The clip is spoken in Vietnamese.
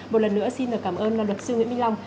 một lần nữa xin được cảm ơn luật sư nguyễn minh long